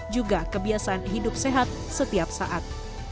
juga kebiasaan hidup sehat setiap saat